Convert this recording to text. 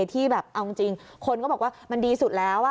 ที่แบบเอาจริงคนก็บอกว่ามันดีสุดแล้ว